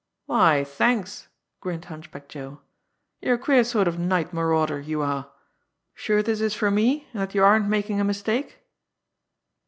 "Why, thanks!" grinned Hunchback Joe. "You're a queer sort of a night marauder, you are! Sure this is for me, and that you aren't making a mistake?"